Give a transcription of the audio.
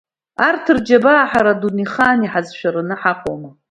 Арҭ рџьабаа ҳара дунеихаан иҳазшәараны ҳаҟоума…